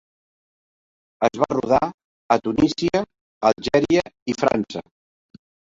Es va rodar a Tunísia, Algèria i França.